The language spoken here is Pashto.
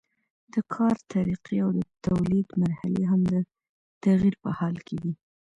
د کار طریقې او د تولید مرحلې هم د تغییر په حال کې وي.